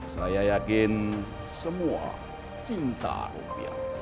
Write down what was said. saya yakin semua cinta rupiah